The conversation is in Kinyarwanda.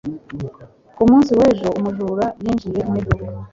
Ku munsi w'ejo, umujura yinjiye mu iduka.